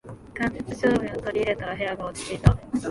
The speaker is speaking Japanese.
間接照明を取り入れたら部屋が落ち着いた